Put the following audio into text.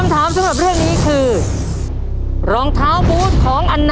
ถูก